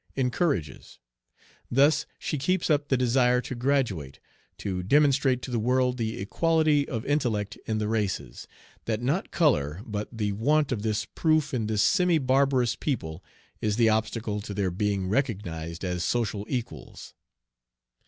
encourages, thus she keeps up the desire to graduate, to demonstrate to the world "the equality of intellect in the races," that not color but the want of this proof in this semi barbarous people is the obstacle to their being recognized as social equals.